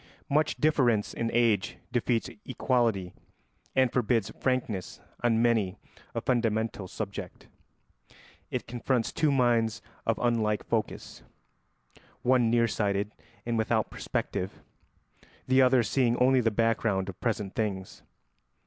Much difference in age defeats equality and forbids frankness on many a fundamental subject; it confronts two minds of unlike focus: one near sighted and without perspective, the other seeing only the background of present things.